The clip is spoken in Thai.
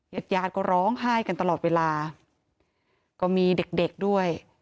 เย็ดยาดก็ร้องไห้กันตลอดเวลาก็มีเด็กด้วย